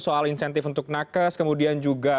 soal insentif untuk nakes kemudian juga